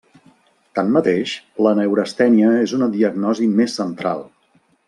Tanmateix, la neurastènia és una diagnosi més central.